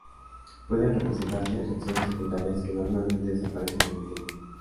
Pueden presentarse reacciones secundarias, que normalmente desaparecen en el tiempo.